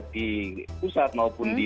di pusat maupun di